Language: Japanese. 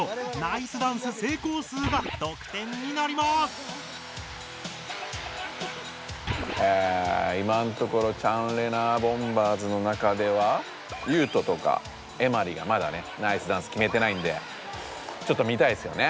いまのところチャンレナボンバーズの中ではユウトとかエマリがまだねナイスダンスきめてないんでちょっと見たいですよね